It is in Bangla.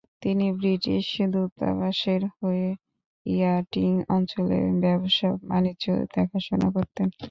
তিনি ব্রিটিশ দূতাবাসের হয়ে ইয়াটিং অঞ্চলে ব্যবসা বাণিজ্য দেখাশোনা করতেন।